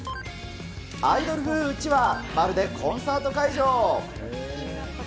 アイドル風うちわ、まるでコンサート会場。